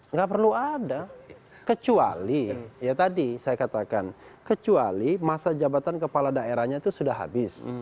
nggak perlu ada kecuali ya tadi saya katakan kecuali masa jabatan kepala daerahnya itu sudah habis